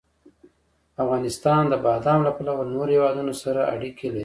افغانستان د بادام له پلوه له نورو هېوادونو سره اړیکې لري.